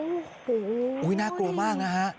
โอ้โหน่ากลัวมากนะฮะ